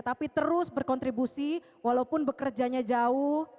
tapi terus berkontribusi walaupun bekerjanya jauh